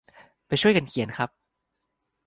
ไปช่วยกันเขียนครับ